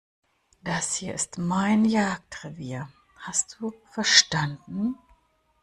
Das hier ist mein Jagdrevier, hast du verstanden?